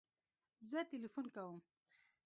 زه تلیفون کوم